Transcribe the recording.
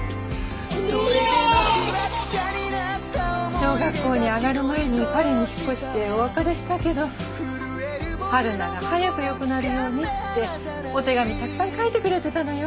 小学校に上がる前にパリに引っ越してお別れしたけど春菜が早く良くなるようにってお手紙たくさん書いてくれてたのよ。